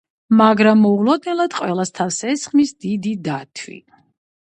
მაგრამ მოულოდნელად ყველას თავს ესხმის დიდი დათვი.